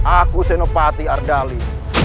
aku senopati ardali